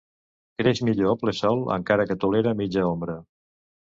Creix millor a ple sol, encara que tolera mitja ombra.